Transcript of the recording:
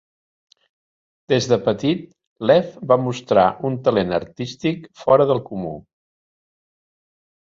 Des de petit, Lev va mostrar un talent artístic fora del comú.